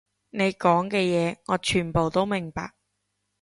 你講嘅嘢，我全部都明白